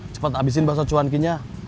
cepat abisin baso cuanki nya